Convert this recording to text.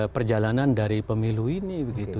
perjalanan dari pemilu ini begitu